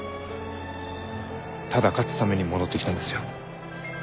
ただ勝つために戻ってきたんですよ。